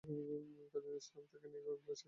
কাজী নজরুল ইসলাম তাকে নিয়ে গান লিখেছেন।